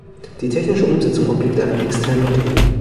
Die technische Umsetzung obliegt einem externen Unternehmen.